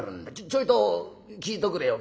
ちょいと聞いとくれよ